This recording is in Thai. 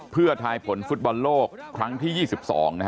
เพื่อทายผลฟุตบอลโลกครั้งที่๒๒